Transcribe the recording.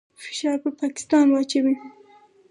فشار پر پاکستان واچوي.